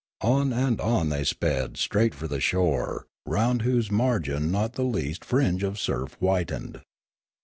On and on they sped straight for the shore, round whose margin not the least fringe of surf whitened.